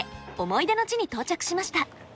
思い出の地に到着しました。